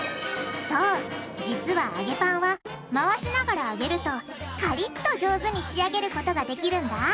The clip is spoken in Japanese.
そう実は揚げパンは回しながら揚げるとカリッと上手に仕上げることができるんだ！